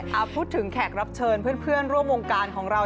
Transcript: เอาพูดถึงแขกรับเชิญเพื่อนร่วมวงการของเรา